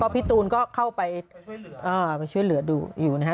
พี่ตูนก็เข้าไปช่วยเหลือดูอยู่นะฮะ